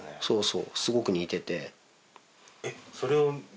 そうそうすごく似てて。